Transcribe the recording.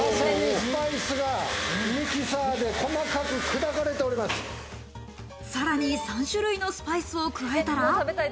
スパイスがミキサーで細かくさらに３種類のスパイスを加えたら。